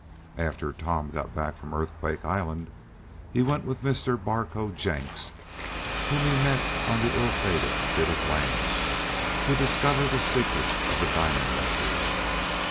After Tom got back from Earthquake Island he went with Mr. Barcoe Jenks, whom he met on the ill fated bit of land, to discover the secret of the diamond makers.